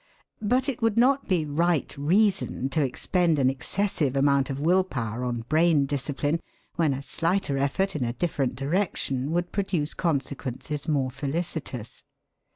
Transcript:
But it would not be 'right reason' to expend an excessive amount of will power on brain discipline when a slighter effort in a different direction would produce consequences more felicitous.